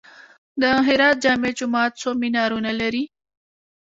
د هرات جامع جومات څو منارونه لري؟